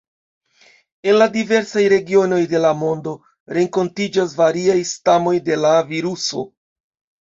En la diversaj regionoj de la mondo renkontiĝas variaj stamoj de la viruso.